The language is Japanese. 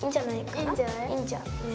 いいんじゃない？